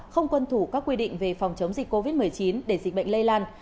không quân thủ các quy định về phòng chống dịch covid một mươi chín để dịch bệnh lây lan